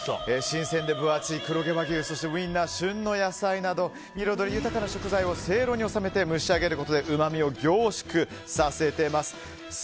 新鮮で分厚い黒毛和牛ウインナー、旬の野菜など彩り豊かな食材をせいろに納めて蒸し上げることでうまみを凝縮させてます。